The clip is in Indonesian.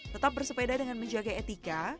tetap bersepeda dengan menjaga etika